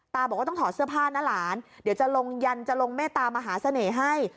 บอกว่าต้องถอดเสื้อผ้านะหลานเดี๋ยวจะลงยันจะลงเมตามหาเสน่ห์ให้